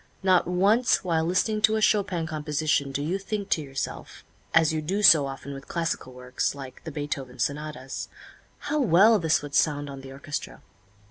Not once while listening to a Chopin composition do you think to yourself, as you do so often with classical works, like the Beethoven sonatas, "How well this would sound on the orchestra!"